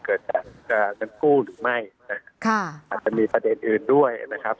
เกิดจะเป็นกู้หรือไม่อาจจะมีสาเหตุอื่นด้วยนะครับ